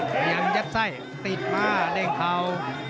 พยายามยักษ์ไส้ติดมาเล่งเขา